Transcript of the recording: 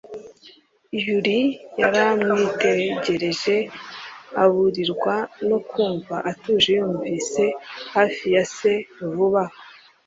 Yully yaramwitegereje, aburirwa no kumva atuje yumvise hafi ya se vuba aha.